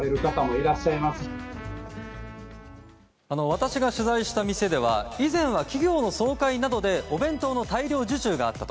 私が取材した店では以前は企業の総会などでお弁当の大量受注があったと。